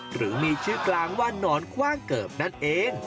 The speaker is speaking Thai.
หรือมีชื่อกลางว่านอนคว่างเกิบนั่นเอง